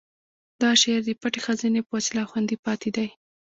دا شعر د پټې خزانې په وسیله خوندي پاتې دی.